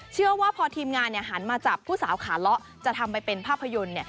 เชื่อว่าพอทีมงานหันมาจับผู้สาวขาเลาะจะทำไปเป็นภาพยนตร์